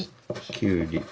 きゅうり。